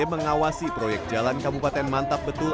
mengawasi proyek jalan kabupaten mantap betul